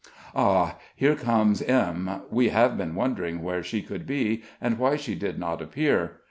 Ah! here comes M. We have been wondering where she could be, and why she did not appear.